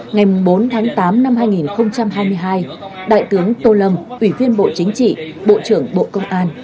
ngày bốn tháng tám năm hai nghìn hai mươi hai đại tướng tô lâm ủy viên bộ chính trị bộ trưởng bộ công an